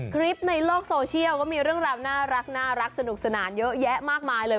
คลิปในโลกโซเชียลก็มีเรื่องราวน่ารักสนุกสนานเยอะแยะมากมายเลย